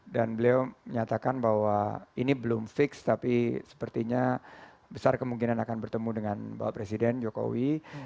dan beliau menyatakan bahwa ini belum fix tapi sepertinya besar kemungkinan akan bertemu dengan pak presiden jokowi